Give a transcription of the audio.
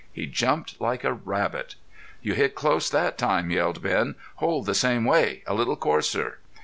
He jumped like a rabbit. "You hit close that time," yelled Ben. "Hold the same way a little coarser."